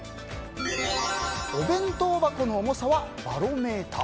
お弁当箱の重さはバロメーター。